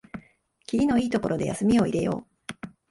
きりのいいところで休みを入れよう